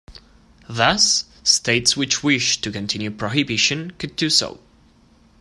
Thus states which wished to continue prohibition could do so.